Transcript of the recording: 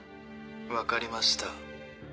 分かりました。